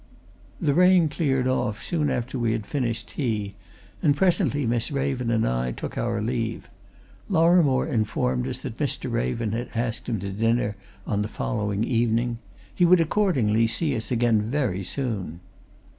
The rain cleared off soon after we had finished tea, and presently Miss Raven and I took our leave. Lorrimore informed us that Mr. Raven had asked him to dinner on the following evening; he would accordingly see us again very soon.